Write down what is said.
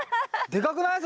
でかくない？